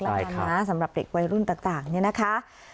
แล้วกันนะสำหรับเด็กวัยรุ่นต่างเนี่ยนะคะ